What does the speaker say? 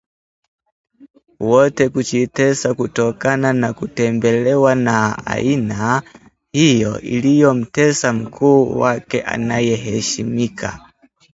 wote kujitesa kutokana na kutembelewa na aina hiyo iliyomtesa mkuu wake anayeheshimika